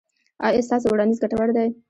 ایا ستاسو وړاندیز ګټور دی؟